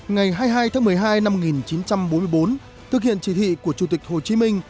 ngày hai mươi hai tháng một mươi hai năm một nghìn chín trăm bốn mươi bốn thực hiện chỉ thị của chủ tịch hồ chí minh